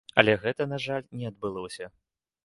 Але гэтага, на жаль, не адбылося.